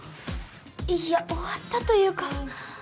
いや終わったというか。